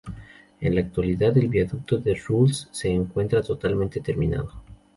En la actualidad, el Viaducto de Rules se encuentra totalmente terminado.